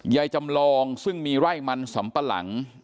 จำลองซึ่งมีไร่มันสำปะหลัง